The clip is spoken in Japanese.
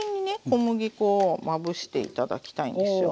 小麦粉をまぶして頂きたいんですよ。